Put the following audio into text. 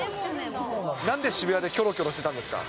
なんで渋谷でキョロキョロしてたんですか？